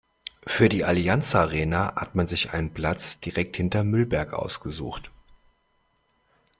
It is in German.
Für die Allianz-Arena hat man sich einen Platz direkt hinterm Müllberg ausgesucht.